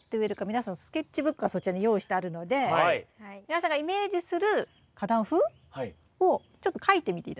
皆さんスケッチブックがそちらに用意してあるので皆さんがイメージする花壇風をちょっと描いてみて。